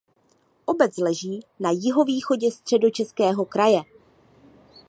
Obec leží na jihovýchodě Středočeského kraje.